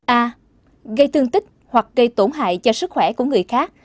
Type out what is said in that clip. a gây thương tích hoặc gây tổn hại cho sức khỏe của người khác